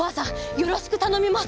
よろしくたのみます！